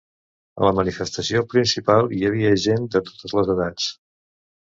A la manifestació principal hi havia gent de totes les edats.